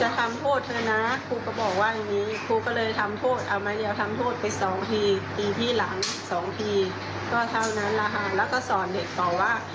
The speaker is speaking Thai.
แล้วก็ส่อนเด็กบอกว่า